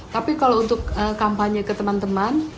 tapi kalau untuk kampanye ke teman teman